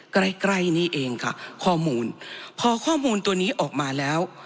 ใกล้ใกล้นี่เองค่ะข้อมูลพอข้อมูลตัวนี้ออกมาแล้ว